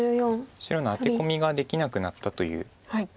白のアテコミができなくなったという意味です。